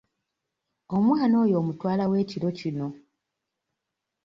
Omwana oyo omutwala wa ekiro kino?